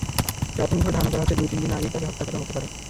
প্রাথমিকভাবে ধারণা করা হচ্ছে, দুই-তিন দিন আগে তাঁকে হত্যা করা হতে পারে।